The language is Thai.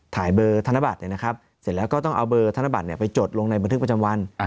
ถ่ายเบอร์ธนบัตรเสร็จแล้วก็ต้องเอาเบอร์ธนบัตรไปจดลงในบันทึกประจำวัน